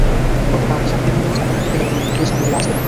পরে বাদী সাক্ষীদের নিয়ে ঢাকা মেডিকেলের মর্গে গিয়ে স্বামীর লাশ দেখেন।